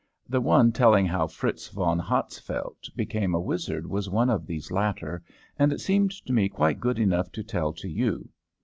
The one telling how Fritz von Hatzfeldt became a wizard was one of these latter, and it seemed to me quite good enough to tell to you.